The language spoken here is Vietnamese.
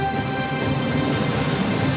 điều hòa giải